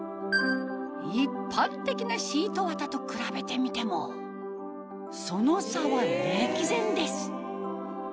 一般的なシートわたと比べてみてもその差は歴然です！